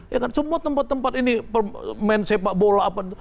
ya kan semua tempat tempat ini main sepak bola apa